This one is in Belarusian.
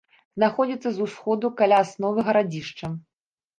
Знаходзіцца з усходу каля асновы гарадзішча.